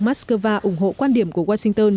moscow ủng hộ quan điểm của washington